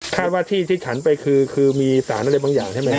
ว่าที่ที่ฉันไปคือมีสารอะไรบางอย่างใช่ไหมครับ